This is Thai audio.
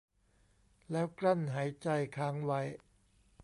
แล้วกลั้นหายใจค้างไว้